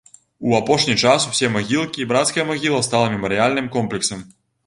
У апошні час усе магілкі і брацкая магіла стала мемарыяльным комплексам.